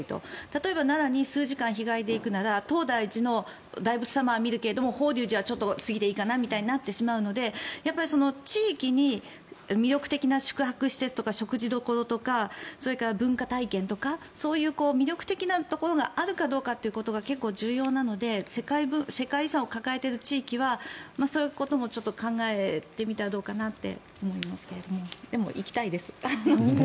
例えば奈良に数時間日帰りで行くなら東大寺の大仏様は見るけれども法隆寺は次でいいかなみたいになってしまうので地域に魅力的な宿泊施設とか食事処とかそれから文化体験とか魅力的なところがあるかどうかということが結構、重要なので世界遺産を抱えている地域はそういうことも考えてみたらどうかなと思いますけどでも行きたいです。